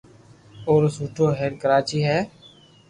اورو موٽو ھير ڪراچي ھي